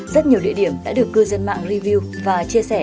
rất nhiều địa điểm đã được cư dân mạng review và chia sẻ